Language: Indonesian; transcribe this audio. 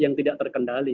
yang tidak terkendali